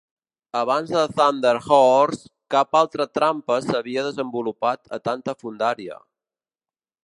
Abans de Thunder Horse, cap altra trampa s'havia desenvolupat a tanta fondària.